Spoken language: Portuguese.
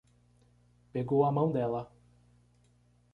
Pegou a mão dela